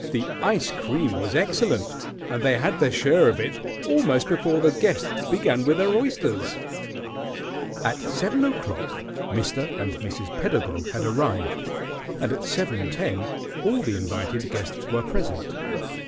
The ice cream was excellent, and they had their share of it almost before the guests began with their oysters. At seven o'clock Mr. and Mrs. Pedagog had arrived, and at seven ten all the invited guests were present.